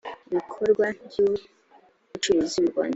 ibikorwa by’ ubucuruzi mu rwanda